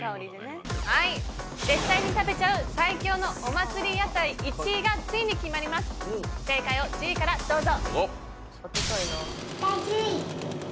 はい絶対に食べちゃう最強のお祭り屋台１位がついに決まります正解を１０位からどうぞ。